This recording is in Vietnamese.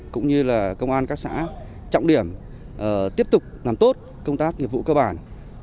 cũng như là công an các xã trọng điểm tiếp tục làm tốt công tác nghiệp vụ cơ bản